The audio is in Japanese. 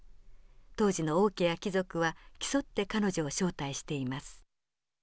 当時の王家や貴族は競って彼女を招待しています。